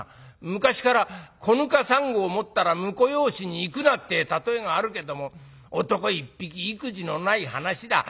昔から小糠三合持ったら婿養子に行くなって例えがあるけども男一匹いくじのない話だ。